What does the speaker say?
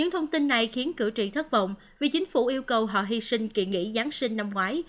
thông tin này khiến cử tri thất vọng vì chính phủ yêu cầu họ hy sinh kỳ nghỉ giáng sinh năm ngoái